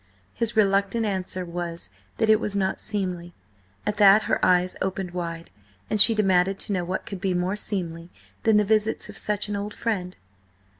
His reluctant answer was that it was not seemly. At that her eyes had opened wide, and she demanded to know what could be more seemly than the visits of such an old friend?